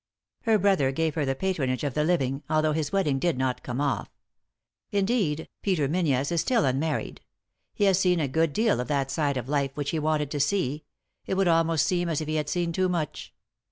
Her brother gave her the patronage of the living, although his wedding did not come off. Indeed, Peter Menzies is still unmarried. He has seen a good deal of that side of life which he wanted to see — it would almost seem as if he had seen too much.